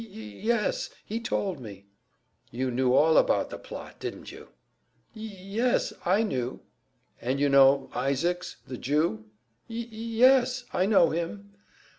"Y y yes, he told me." "You knew all about the plot, didn't you?" "Y y yes, I knew." "And you know Isaacs, the Jew?" "Y y yes, I know him."